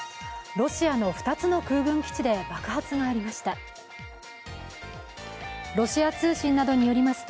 ロシアの２つの空軍基地で爆発がありました。